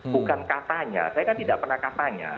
bukan katanya saya kan tidak pernah katanya